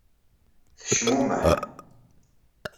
Tecmummeḥ.